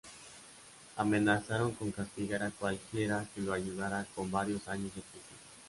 Amenazaron con castigar a cualquiera que lo ayudara con varios años de prisión.